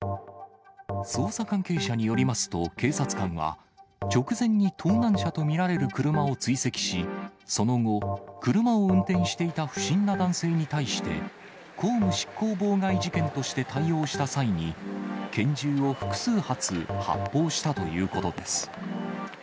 捜査関係者によりますと、警察官は、直前に盗難車と見られる車を追跡し、その後、車を運転していた不審な男性に対して、公務執行妨害事件として対応した際に、拳銃を複数発、発砲したということです。